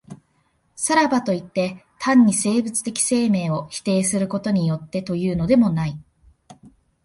さらばといって、単に生物的生命を否定することによってというのでもない。